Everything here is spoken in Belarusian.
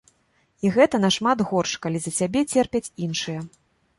І гэта нашмат горш, калі за цябе церпяць іншыя.